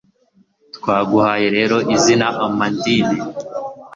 twaguhaye rero izina amandine